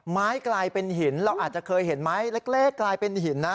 กลายเป็นหินเราอาจจะเคยเห็นไม้เล็กกลายเป็นหินนะ